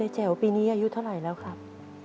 แจ๋วปีนี้อายุเท่าไหร่แล้วครับ